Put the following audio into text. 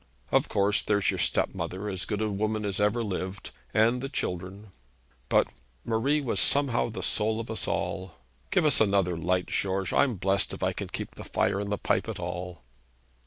Of course there's your stepmother, as good a woman as ever lived, and the children; but Marie was somehow the soul of us all. Give us another light, George. I'm blessed if I can keep the fire in the pipe at all.'